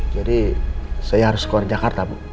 saya harus keluar jakarta bu